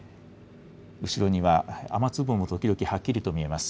後ろには雨粒も時々はっきりと見えます。